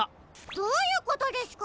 どういうことですか？